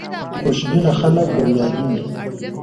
خوشبینه خلک بریالي وي.